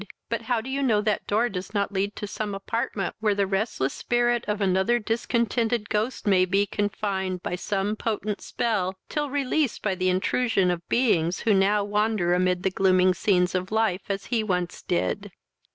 But how do you know that door does not lead to some apartment where the restless spirit of another discontented ghost may be confined, by some potent spell, till released by the intrusion of beings who now wander amid the gloomy scenes of life as he once did?"